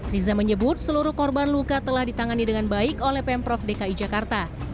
riza menyebut seluruh korban luka telah ditangani dengan baik oleh pemprov dki jakarta